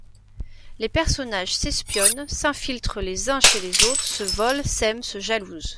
Les personnages s'espionnent, s'infiltrent les uns chez les autres, se volent, s'aiment, se jalousent.